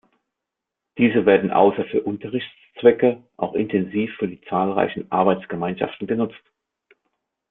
Diese werden außer für Unterrichtszwecke auch intensiv für die zahlreichen Arbeitsgemeinschaften genutzt.